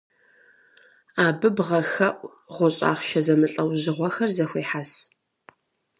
Абы бгъэхэӏу, гъущӏ ахъшэ зэмылӏэужьыгъуэхэр зэхуехьэс.